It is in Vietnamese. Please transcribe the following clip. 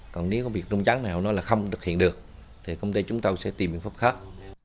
còn nếu có việc rung trắng nào nó là không thực hiện được thì công ty chúng ta sẽ tìm biện pháp khác